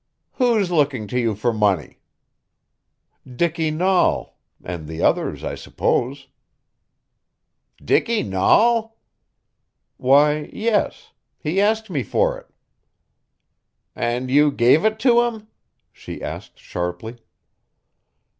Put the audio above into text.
"Who's looking to you for money?" "Dicky Nahl and the others, I suppose." "Dicky Nahl?" "Why, yes. He asked me for it." "And you gave it to him?" she asked sharply.